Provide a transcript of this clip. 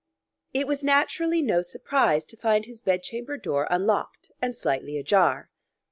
It was naturally no surprise to find his bed chamber door unlocked and slightly ajar.